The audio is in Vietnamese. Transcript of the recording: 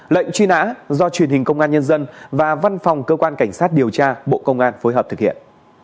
lệnh truy nã do truyền hình công an nhân dân và văn phòng cơ quan cảnh sát điều tra bộ công an phối hợp thực hiện